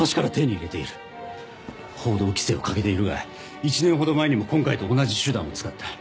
報道規制をかけているが１年ほど前にも今回と同じ手段を使った。